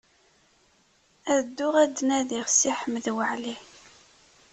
Ad dduɣ ad d-nadiɣ Si Ḥmed Waɛli.